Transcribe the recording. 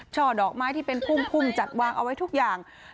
ช่อดอกไม้ที่เป็นพุ่มจัดวางเอาไว้ทุกอย่าง